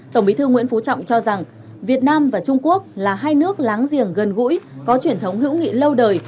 tổng bí thư nguyễn phú trọng cho rằng việt nam và trung quốc là hai nước láng giềng gần gũi có truyền thống hữu nghị lâu đời